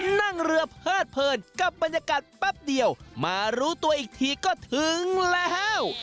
นั่งเรือเพิดเพลินกับบรรยากาศแป๊บเดียวมารู้ตัวอีกทีก็ถึงแล้ว